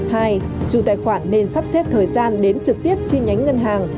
chủ tài khoản nên sắp xếp thời gian đến trực tiếp chi nhánh ngân hàng